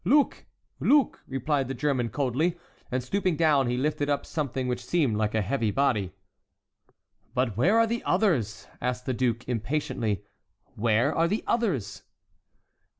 "Louk! louk!" replied the German coldly, and stooping down he lifted up something which seemed like a heavy body. "But where are the others?" asked the duke, impatiently, "where are the others?"